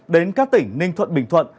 đến các tỉnh ninh thuận bình thuận